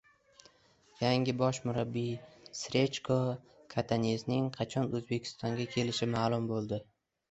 Yangi bosh murabbiy Srechko Katanesning qachon O‘zbekistonga kelishi ma’lum bo‘ldi